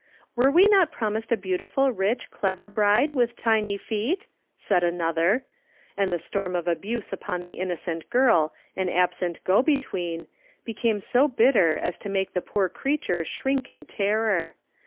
"Were we not promised a beautiful, rich, clever, bride, with tiny feet?" said another. And the storm of abuse upon the innocent girl and absent "go between" became so bitter as to make the poor creature shrink in terror.